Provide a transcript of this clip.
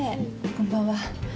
こんばんは。